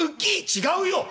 「違うよ！